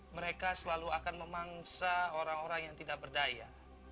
mereka selalu akan memangsa orang orang yang tidak berdaya